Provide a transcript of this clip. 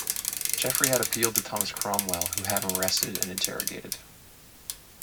Geoffrey had appealed to Thomas Cromwell, who had him arrested and interrogated.